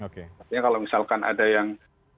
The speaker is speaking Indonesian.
artinya kalau misalkan ada yang